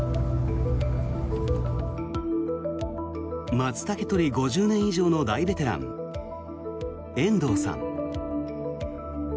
マツタケ採り５０年以上の大ベテラン、遠藤さん。